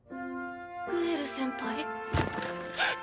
グエル先輩？